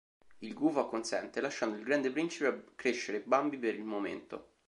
Il gufo acconsente, lasciando il Grande Principe a crescere Bambi per il momento.